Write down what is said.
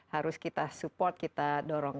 harus kita support kita dorong